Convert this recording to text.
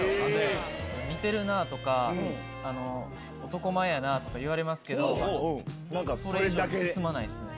似てるなとか男前やなとか言われますけどそれ以上進まないっすね。